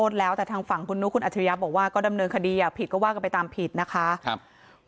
เดี๋ยวผมขออนุญาตคุณกันหลังใหม่นะครับ